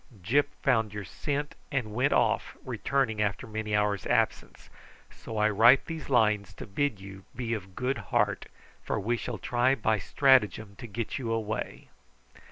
Gyp found your scent and went off, returning after many hours' absence; so I write these lines to bid you be of good heart, for we shall try by stratagem to get you away_."